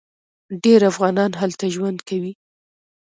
ډیر افغانان هلته ژوند کوي.